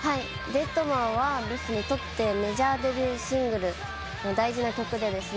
『ＤＥＡＤＭＡＮ』はＢｉＳＨにとってメジャーデビューシングルの大事な曲でですね